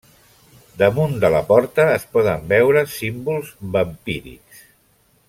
Damunt de la porta es poden veure símbols vampírics.